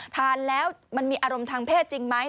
ทานแล้วมันมีอารมณ์ทางเพศจริงไหม